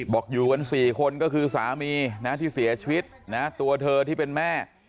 บอกอยู่กัน๔คนก็คือสามีนะที่เสียชีวิตนะตัวเธอที่เป็นแม่